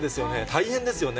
大変ですよね。